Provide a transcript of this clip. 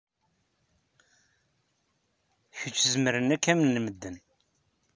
Kečč zemren ad k-amnen medden.